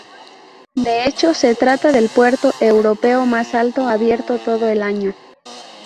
De hecho, se trata del puerto europeo más alto abierto todo el año.